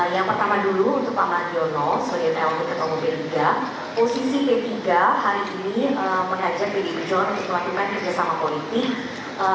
yang pertama dulu untuk pak mladiono selain eonik ketemu dpp p tiga posisi dpp p tiga hari ini mengajak dpp p tiga untuk memaklumkan kerjasama politik